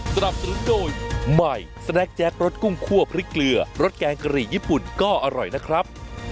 สนับสนุนโดยใหม่สแนคแจ็ครสกุ้งคั่วพริกเกลือรสแกงกะหรี่ญี่ปุ่นก็อร่อยนะครับ